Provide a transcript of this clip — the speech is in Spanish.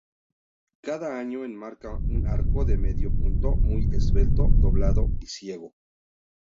Cada paño enmarca un arco de medio punto, muy esbelto, doblado y ciego.